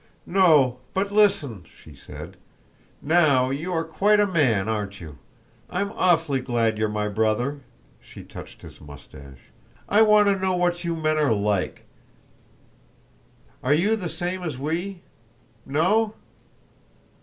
"No, but listen," she said, "now you are quite a man, aren't you? I'm awfully glad you're my brother." She touched his mustache. "I want to know what you men are like. Are you the same as we? No?"